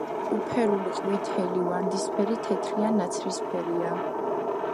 უფერული, ყვითელი, ვარდისფერი, თეთრი ან ნაცრისფერია.